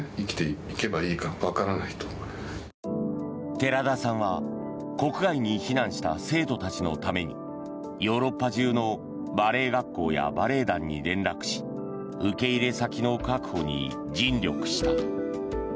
寺田さんは国外に避難した生徒たちのためにヨーロッパ中のバレエ学校やバレエ団に連絡し受け入れ先の確保に尽力した。